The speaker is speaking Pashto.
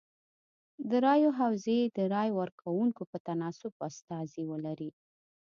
د رایو حوزې د رای ورکوونکو په تناسب استازي ولري.